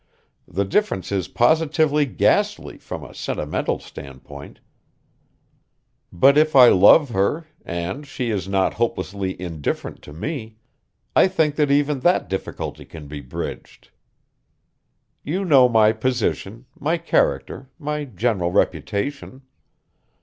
The difference is positively ghastly from a sentimental standpoint, but if I love her, and she is not hopelessly indifferent to me, I think that even that difficulty can be bridged. You know my position, my character, my general reputation.